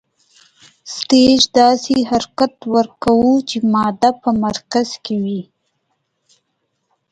سټیج داسې حرکت ورکوو چې ماده په مرکز کې وي.